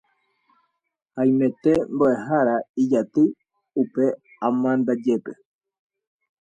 Haimete mboʼehára ijaty upe amandajépe.